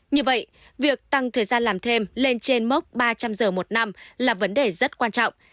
như vậy việc tăng thời gian làm thêm lên trên mốc ba trăm linh giờ một năm là vấn đề rất quan trọng